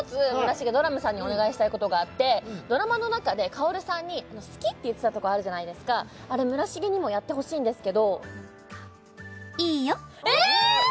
重ドラムさんにお願いしたいことがあってドラマの中で薫さんに好きって言ってたとこあるじゃないですかあれ村重にもやってほしいんですけど「いいよ」えっ！